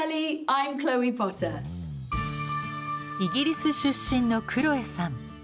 イギリス出身のクロエさん。